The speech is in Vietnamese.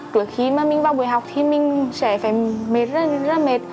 trước khi mà mình vào buổi học thì mình sẽ phải mệt rất là mệt